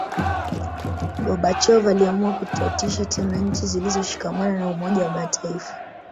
Gorbachov aliamua kutotisha tena nchi zilizoshikamana na Umoja wa mataifa